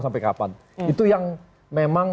sampai kapan itu yang memang